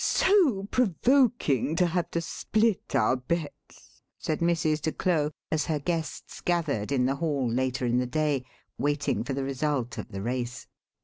"So provoking to have to split out bets," said Mrs. de Claux, as her guests gathered in the hall later in the day, waiting for the result of the race.